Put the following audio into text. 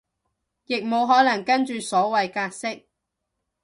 亦無可能跟住所謂格式